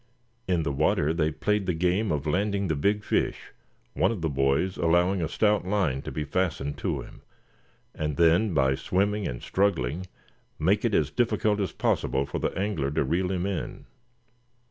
In the water they played the game of landing the big fish, one of the boys allowing a stout line to be fastened to him; and then by swimming and struggling making it as difficult as possible for the angler to reel him in.